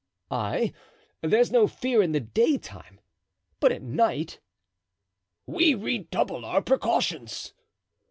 "Ay, there's no fear in the daytime; but at night?" "We redouble our precautions."